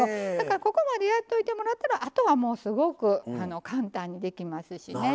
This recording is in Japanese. ここまでやっておいてもらったらあとはすごく簡単にできますしね。